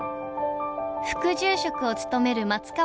副住職を務める松川さん。